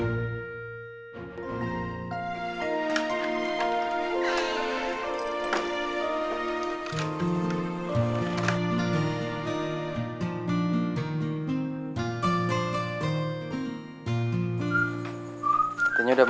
masih cemberut aja mi